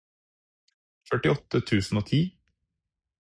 førtiåtte tusen og ti